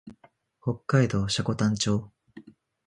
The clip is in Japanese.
北海道積丹町